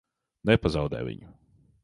Nepazaudē viņu!